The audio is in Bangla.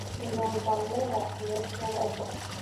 বিমল বললে, বাঁচিয়েছ ভাই।